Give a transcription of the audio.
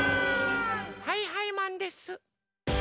はいはいマンです！